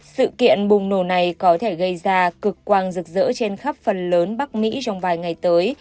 sự kiện bùng nổ này có thể gây ra cực quang rực rỡ trên khắp phần lớn bắc mỹ trong vài ngày tới